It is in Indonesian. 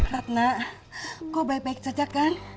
karena kau baik baik saja kan